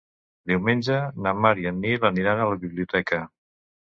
Diumenge na Mar i en Nil aniran a la biblioteca.